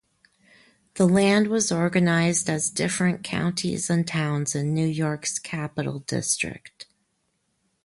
The land was organized as different counties and towns in New York's Capital District.